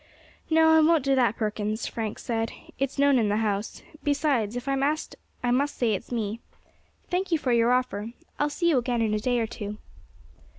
"No, I won't do that, Perkins," Frank said, "it's known in the house; besides, if I am asked I must say it's me. Thank you for your offer. I will see you again in a day or two."